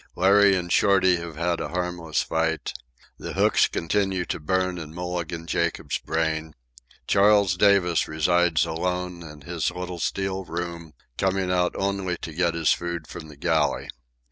Larry and Shorty have had a harmless fight. The hooks continue to burn in Mulligan Jacobs's brain. Charles Davis resides alone in his little steel room, coming out only to get his food from the galley.